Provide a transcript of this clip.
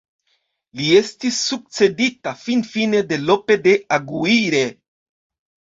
Li estis sukcedita finfine de Lope de Aguirre.